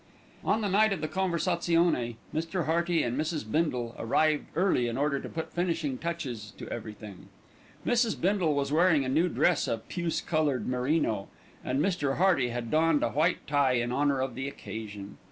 On the night of the conversazione, Mr. Hearty and Mrs. Bindle arrived early in order to put finishing touches to everything. Mrs. Bindle was wearing a new dress of puce coloured merino, and Mr. Hearty had donned a white tie in honour of the occasion.